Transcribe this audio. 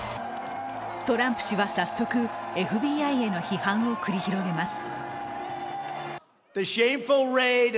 トランプ氏は早速、ＦＢＩへの批判を繰り広げます。